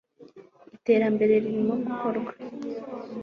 Iterambere ririmo gukorwa